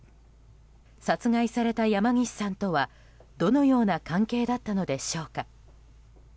殺害された山岸さんとはどのような関係だったのでしょうか。